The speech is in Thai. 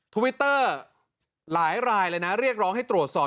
ทวิตเตอร์หลายรายเลยนะเรียกร้องให้ตรวจสอบ